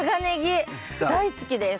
大好きです。